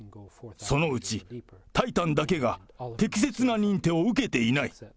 そのうちタイタンだけが適切な認定を受けていない。